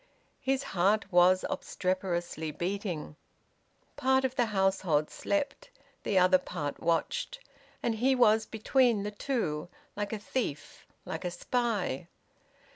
His heart was obstreperously beating. Part of the household slept; the other part watched; and he was between the two, like a thief, like a spy.